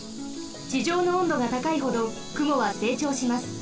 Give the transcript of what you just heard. ちじょうの温度がたかいほどくもはせいちょうします。